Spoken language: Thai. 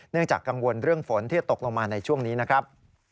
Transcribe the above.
จากกังวลเรื่องฝนที่จะตกลงมาในช่วงนี้นะครับ